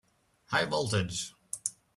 High voltage!